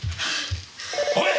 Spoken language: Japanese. おい！